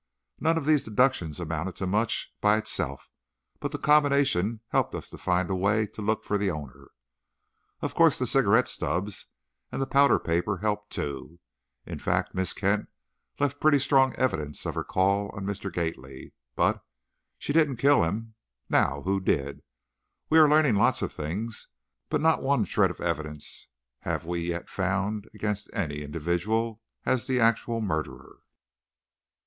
None of these deductions amounted to much by itself, but the combination helped us to find a way to look for the owner. Of course, the cigarette stubs and the powder paper helped, too. In fact, Miss Kent left pretty strong evidences of her call on Mr. Gately. But, she didn't kill him. Now, who did? We are learning lots of things, but not one shred of evidence have we yet found against any individual as the actual murderer."